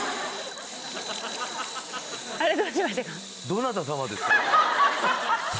どなた様ですか？